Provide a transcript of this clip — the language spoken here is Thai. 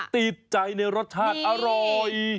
ติดใจในรสชาติอร่อย